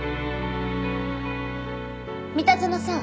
三田園さん